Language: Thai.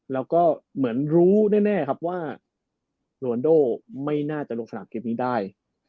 แล้วก็เหมือนรู้แน่ครับว่าโรนโดไม่น่าจะลงสนามเกมนี้ได้